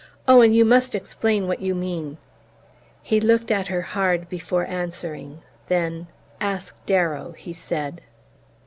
"Owen, you must explain what you mean!" He looked at her hard before answering; then: "Ask Darrow!" he said.